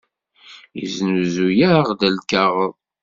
Yesnuzuy-aɣ-d lkaɣeḍ.